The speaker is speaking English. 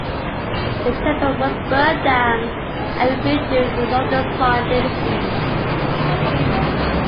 The temple was burned down and rebuilt during the Northern Song dynasty.